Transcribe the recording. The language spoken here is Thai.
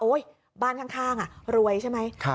โอ้ยบ้านข้างข้างอ่ะรวยใช่ไหมครับ